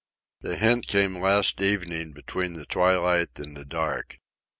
The hint came last evening between the twilight and the dark.